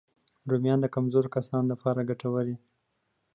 رومیان د کمزوریو کسانو لپاره مفید دي